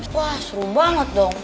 wah seru banget dong